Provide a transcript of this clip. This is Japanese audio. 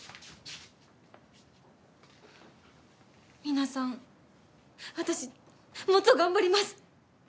皆さん私もっと頑張ります。